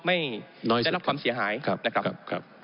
ไม่ได้รับความเสียหายนะครับ